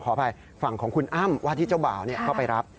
อภัยฝั่งของคุณอ้ำว่าที่เจ้าบ่าวเข้าไปรับ